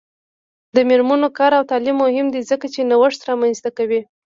د میرمنو کار او تعلیم مهم دی ځکه چې نوښت رامنځته کوي.